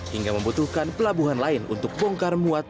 hingga membutuhkan pelabuhan lain untuk bongkar muat